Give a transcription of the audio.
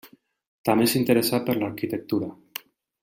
També s'interessà per l'arquitectura.